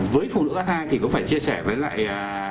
với phụ nữ mang thai thì cũng phải chia sẻ với lại